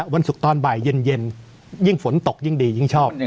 วันศุกร์ตอนบ่ายเย็นยิ่งฝนตกยิ่งดียิ่งชอบ